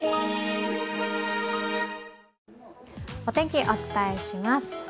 お天気、お伝えします。